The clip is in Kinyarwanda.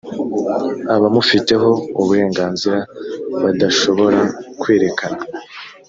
abamufitehou burenganzira badashobora kwerekana